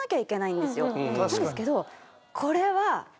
なんですけどこれは。